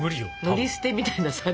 乗り捨てみたいなさ。